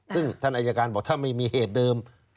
ซึ่งท่านอายการบอกถ้าไม่มีเหตุเดิม